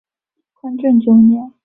宽政九年。